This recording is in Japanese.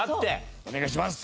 お願いします。